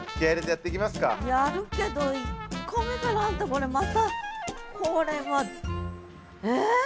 やるけど１個目からあんたこれまたこれはえ？